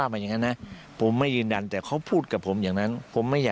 นี่ค่ะมุมมองของอาจารย์ปรเมฆซึ่งนอกจากนี้ก็ยังแนะนำถึงการทำงานของตำรวจด้วย